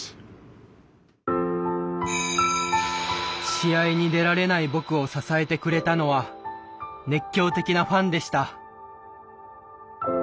試合に出られない僕を支えてくれたのは熱狂的なファンでした。